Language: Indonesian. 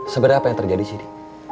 sebenernya apa yang terjadi sidi